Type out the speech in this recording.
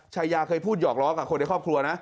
ชายาเคยพูดหยอกล้อกับคนในครอบครัวนะ